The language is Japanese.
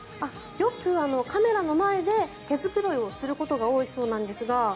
よくカメラの前で毛繕いをすることが多いそうなんですが。